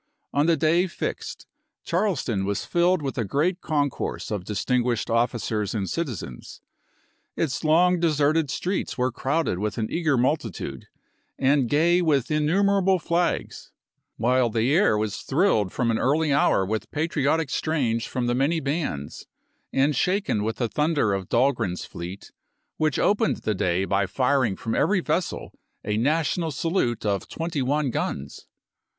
On the day fixed Charleston was filled with a great concourse of distinguished officers and citizens. Its long deserted streets were crowded with an eager multitude, and gay with innumerable flags, while the air was thrilled from an early hour with patriotic strains from the many bands, and shaken with the thunder of Dahlgren's fleet, which opened the day by firing from every vessel a na tional salute of twenty one guns.